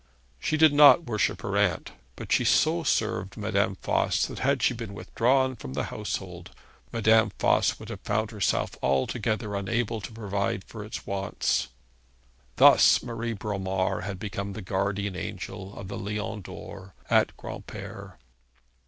She did not worship her aunt, but she so served Madame Voss that had she been withdrawn from the household Madame Voss would have found herself altogether unable to provide for its wants. Thus Marie Bromar had become the guardian angel of the Lion d'Or at Granpere.